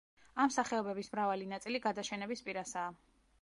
ამ სახეობების მრავალი ნაწილი გადაშენების პირასაა.